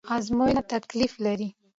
ازموينه تکليف لري